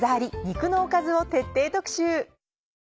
肉のおかず」を徹底特集。